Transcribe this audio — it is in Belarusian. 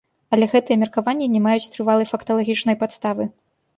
Але гэтыя меркаванні не маюць трывалай факталагічнай падставы.